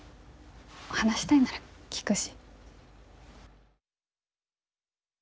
話したいなら聞くし。